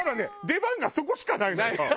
出番がそこしかないのよ。